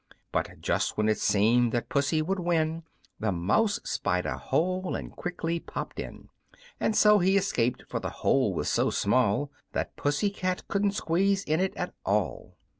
But just when it seemed that Pussy would win, The mouse spied a hole and quickly popped in; And so he escaped, for the hole was so small That Pussy cat couldn't squeeze in it at all.